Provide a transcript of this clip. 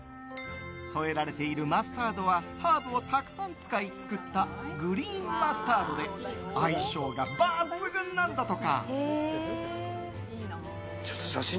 添えられているマスタードはハーブをたくさん使い作った、グリーンマスタードで相性が抜群なんだとか。